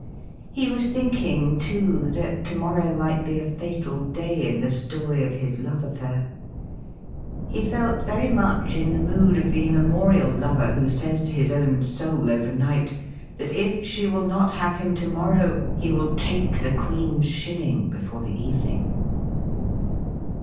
He was think ing, too, that to morrow might be a fatal day in the story of his love affair. He felt very much in the mood of the immemorial lover who says to his own soul overnight that if she will not have him to morrow he will take the Queen's shilling before the evening.